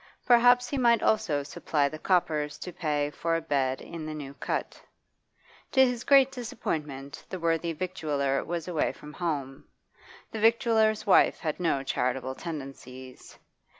Perhaps he might also supply the coppers to pay for a bed in the New Cut. To his great disappointment, the worthy victualler was away from home; the victualler's wife had no charitable tendencies.